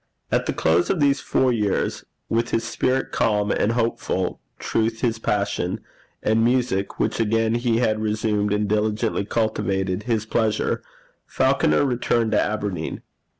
At the close of these four years, with his spirit calm and hopeful, truth his passion, and music, which again he had resumed and diligently cultivated, his pleasure, Falconer returned to Aberdeen.